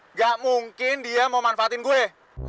nggak mungkin dia mau manfaatin gue